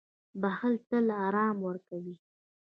• بښل تل آرام ورکوي.